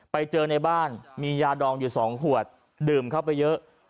ไปเจอในบ้านมียาดองอยู่๒ขวดดื่มเข้าไปเยอะ